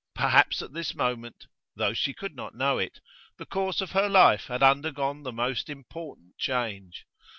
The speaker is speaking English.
Perhaps at this moment, though she could not know it, the course of her life had undergone the most important change.